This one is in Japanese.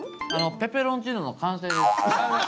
ペペロンチーノの完成です。